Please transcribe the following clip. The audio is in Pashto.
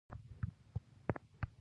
دروازه په زور ولګېده.